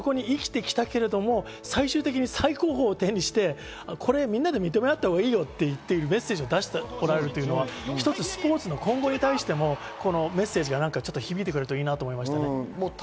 そこに生きてきたけれども、最高峰を手にしてみんなで認め合ったほうがいいよというメッセージを出してもらえるというのはスポーツの今後に対してもメッセージが響いてくるといいなと思いました。